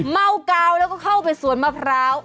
เมากาวแล้วก็เข้าไปสวนมะพร้าว